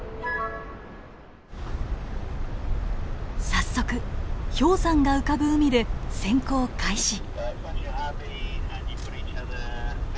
早速氷山が浮かぶ海で潜航開始！